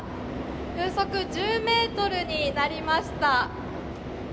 風速１０メートルになりました。